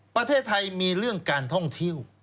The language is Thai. ประเทศไทยมีเรื่องการท่องเที่ยว